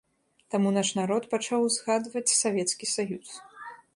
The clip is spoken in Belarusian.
Таму наш народ пачаў узгадваць савецкі саюз.